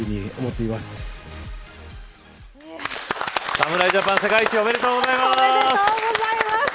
侍ジャパン世界一おめでとうございます。